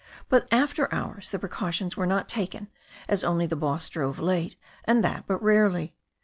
But after hours the precau tions were not taken, as only the boss drove late, and that but rarely.